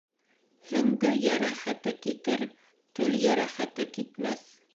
Һөңгө йәрәхәте китер, тел йәрәхәте китмәҫ.